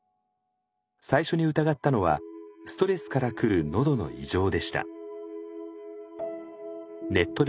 最初に疑ったのはストレスから来るのどの異常でした。